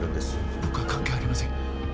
僕は関係ありません。